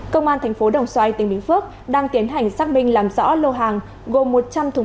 công an thành phố đồng xoài tỉnh bình phước đang tiến hành xác minh làm rõ lô hàng gồm một trăm linh thùng